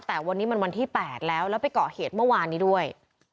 แต่วันนี้มันวันที่๘แล้วแล้วไปเกาะเหตุเมื่อวานนี้ด้วย